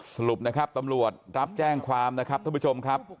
สรุปนะครับตำรวจรับแจ้งความนะครับท่านผู้ชมครับ